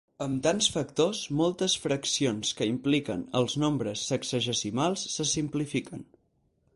Amb tants factors, moltes fraccions que impliquen els nombres sexagesimals se simplifiquen.